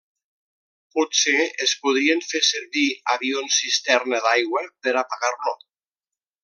Potser es podrien fer servir avions cisterna d'aigua per apagar-lo.